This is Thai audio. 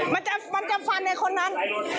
มันจับมันจับฟันไอ้คนนั้น